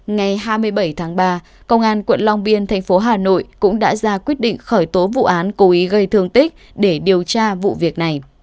ngày hai mươi bảy tháng ba công an quận long biên thành phố hà nội cũng đã ra quyết định khởi tố vụ án cố ý gây thương tích để điều tra vụ việc này